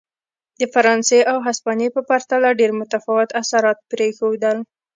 د فرانسې او هسپانیې په پرتله ډېر متفاوت اثرات پرېښودل.